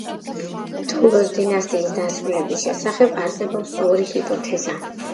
დულოს დინასტიის დასრულების შესახებ არსებობს ორი ჰიპოთეზა.